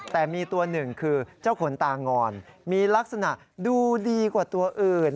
แต่มีตัวหนึ่งคือเจ้าขนตางอนมีลักษณะดูดีกว่าตัวอื่น